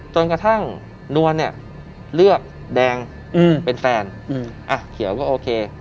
จนกระทั่งนวลเลือกแดงเป็นแฟนเขียวก็โอเค